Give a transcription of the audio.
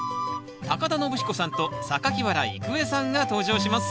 田延彦さんと原郁恵さんが登場します